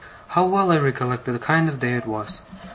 How well I recollect the kind of day it was!